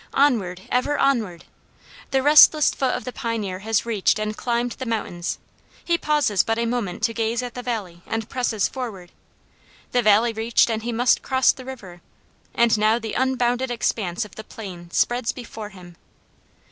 Onward! ever onward! The restless foot of the pioneer has reached and climbed the mountains. He pauses but a moment to gaze at the valley and presses forward. The valley reached and he must cross the river, and now the unbounded expanse of the plain spreads before him.